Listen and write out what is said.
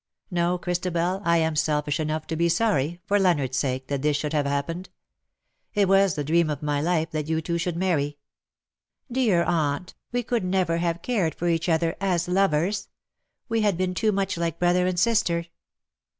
No, Christabel, I am selfish enough to be sorry, for Leonardos sake, that this should have happened. It was the dream of my life that you two should marry .^^*• Dear aunt, we could never have cared for each other — as lovers. We had been too much like brother and sister.